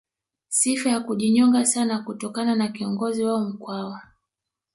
Sifa ya kujinyonga sana kutokana na kiongozi wao Mkwawa